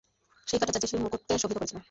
সেই কাঁটা যা যীশুর মুকুটকে শোভিত করেছিল।